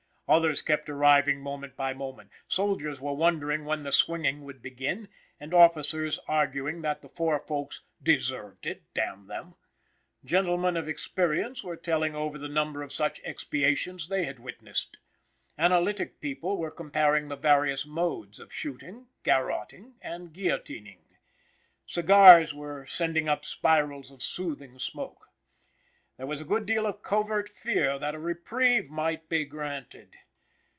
Others kept arriving moment by moment; soldiers were wondering when the swinging would begin and officers arguing that the four folks "deserved it, damn them!" Gentlemen of experience were telling over the number of such expiations they had witnessed. Analytic people were comparing the various modes of shooting, garroting, and guillotining. Cigars were sending up spirals of soothing smoke. There was a good deal of covert fear that a reprieve might be granted.